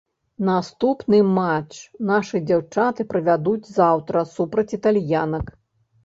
Наступны матч нашы дзяўчаты правядуць заўтра супраць італьянак.